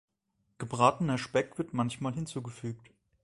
Gebratener Speck wird manchmal hinzugefügt.